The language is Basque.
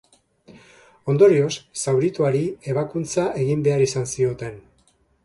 Ondorioz, zaurituari ebakuntza egin behar izan zioten.